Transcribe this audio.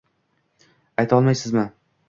Ayta olmaysizmi?